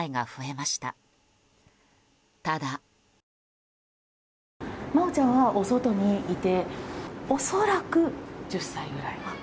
まおちゃんはお外にいて恐らく１０歳くらい。